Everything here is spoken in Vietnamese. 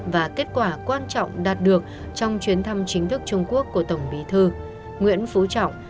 và kết quả quan trọng đạt được trong chuyến thăm chính thức trung quốc của tổng bí thư nguyễn phú trọng